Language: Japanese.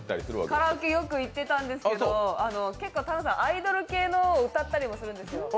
カラオケよく行ってたんですけど、結構、田辺さん、アイドル系のを歌ったりもするんですよ。